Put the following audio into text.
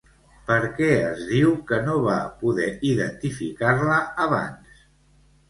Per què es diu que no va poder identificar-la abans?